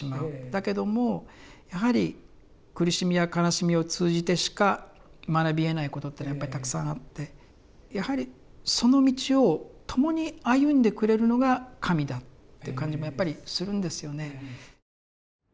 だけどもやはり苦しみや悲しみを通じてしか学びえないことっていうのはやっぱりたくさんあってやはりその道を共に歩んでくれるのが神だっていう感じもやっぱりするんですよね。